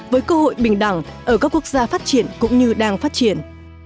với cơ hội bình đẳng ở các quốc gia phát triển cũng như đang phát triển